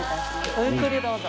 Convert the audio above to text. ごゆっくりどうぞ。